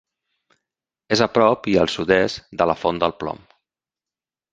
És a prop i al sud-est de la Font del Plom.